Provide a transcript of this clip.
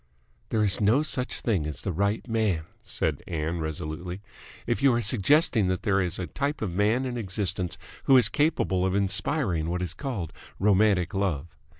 "There is no such thing as the right man," said Ann resolutely, "if you are suggesting that there is a type of man in existence who is capable of inspiring what is called romantic love.